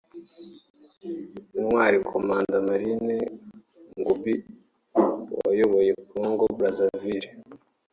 Intwali Commanda Marien Ngouabi wayoboye Congo Brazaville